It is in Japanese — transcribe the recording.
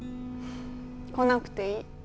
来なくていい。